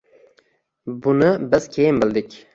Buni biz keyin bildik.